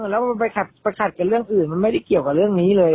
แล้วมันไปขัดกับเรื่องอื่นมันไม่ได้เกี่ยวกับเรื่องนี้เลย